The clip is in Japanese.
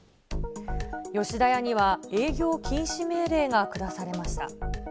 吉田屋には営業禁止命令が下されました。